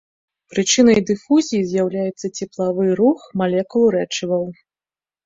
Прычынай дыфузіі з'яўляецца цеплавы рух малекул рэчываў.